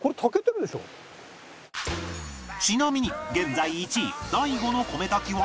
ちなみに現在１位大悟の米炊きは